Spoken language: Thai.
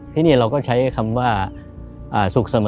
ที่นี่เราก็ใช้คำว่าสุขเสมอ